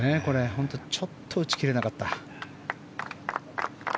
本当にちょっと打ち切れなかった。